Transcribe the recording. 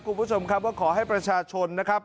คุณผู้ชมครับว่าขอให้ประชาชนนะครับ